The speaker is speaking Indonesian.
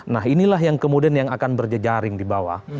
nah inilah yang kemudian yang akan berjejaring di bawah